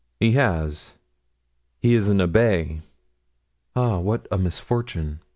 "He has; he is an abbé." "Ah, what a misfortune!"